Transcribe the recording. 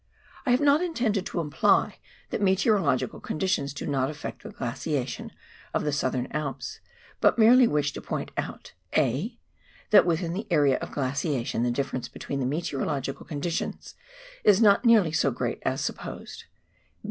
I have not intended to imply that meteorological conditions do not aff"ect the glaciation of the Southern Alps, but merely wish to point out :— (a) That within the area of glaciation the difference between the meteorological conditions is not nearly so great as supposed.